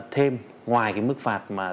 thêm ngoài cái mức phạt mà